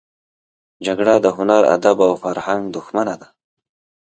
جګړه د هنر، ادب او فرهنګ دښمنه ده